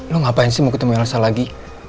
lo ngapain sih mau ketemu yang elsa lagi